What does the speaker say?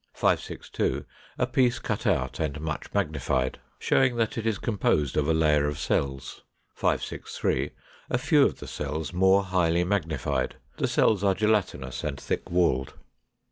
562. A piece cut out and much magnified, showing that it is composed of a layer of cells. 563. A few of the cells more highly magnified: the cells are gelatinous and thick walled.